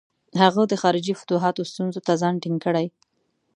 هغه د خارجي فتوحاتو ستونزو ته ځان ټینګ کړي.